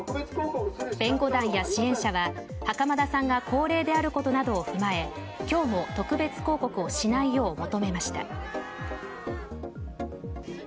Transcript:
弁護団や支援者は袴田さんが高齢であることなどを踏まえ今日も特別抗告をしないよう求めました。